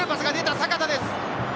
阪田です。